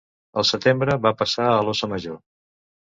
Al setembre va passar a l'Óssa Major.